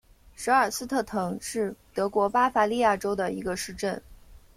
舍尔斯特滕是德国巴伐利亚州的一个市镇。